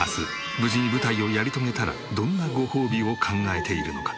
無事に舞台をやり遂げたらどんなごほうびを考えているのか？